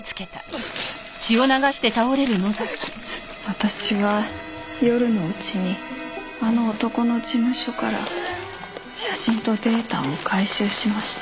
私は夜のうちにあの男の事務所から写真とデータを回収しました。